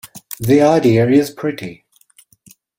The idea is pretty.